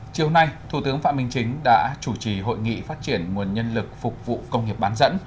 chiều nay thủ tướng phạm minh chính đã chủ trì hội nghị phát triển nguồn nhân lực phục vụ công nghiệp bán dẫn